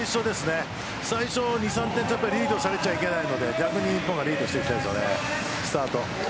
最初、２３点リードされてはいけないので逆に日本がリードしたいですね、スタート。